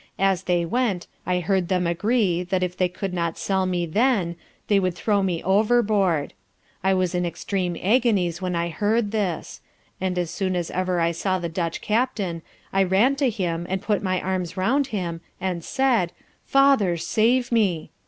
As they went, I heard them agree, that, if they could not sell me then, they would throw me overboard. I was in extreme agonies when I heard this; and as soon as ever I saw the Dutch Captain, I ran to him, and put my arms round him, and said, "father, save me."